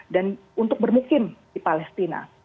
dan untuk bermukim di palestina